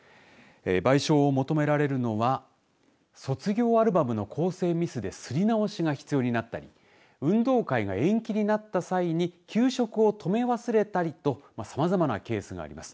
賠償を求められるのは卒業アルバムの校正ミスで刷り直しが必要になったり運動会が延期になった際に給食を止め忘れたりとさまざまなケースがあります。